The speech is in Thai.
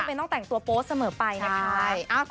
ไม่ต้องแต่งตัวโปสเสมอไปนะครับ